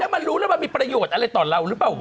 มันรู้มีประโยชน์อะไรต่อเรา